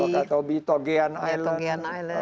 wakatobi togean island